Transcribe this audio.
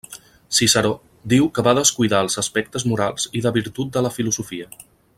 Ciceró diu que va descuidar els aspectes morals i de virtut de la filosofia.